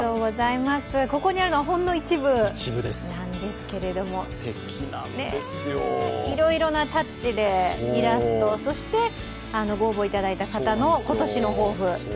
ここにあるのは、ほんの一部なんですけれどもいろいろなタッチでイラスト、そして、ご応募していただいた方の今年の抱負。